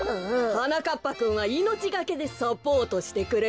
はなかっぱくんはいのちがけでサポートしてくれるよ。